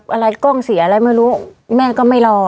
อะไรกล้องเสียอะไรไม่รู้แม่ก็ไม่รอ